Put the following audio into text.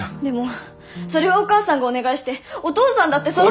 でもそれはお母さんがお願いしてお父さんだって。